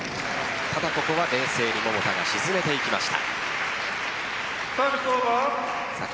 ただ、ここは冷静に桃田が沈めていきました。